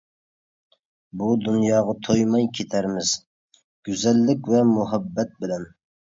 بۇ دۇنياغا تويماي كېتەرمىز، گۈزەللىك ۋە مۇھەببەت بىلەن.